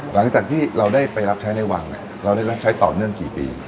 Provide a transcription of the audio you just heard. หลังจากที่เราได้ไปรับใช้ในวังเราได้รับใช้ต่อเนื่องกี่ปี